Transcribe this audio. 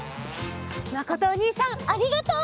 まことおにいさんありがとう。